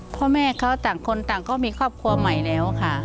พ่อแม่เขาต่างคนต่างก็มีครอบครัวใหม่แล้วค่ะ